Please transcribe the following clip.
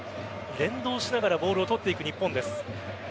連動しながらボールを取っていく日本です。